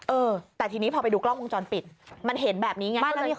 เออแต่ทีนี้พอไปดูกล้องวงจรปิดมันเห็นแบบนี้ไง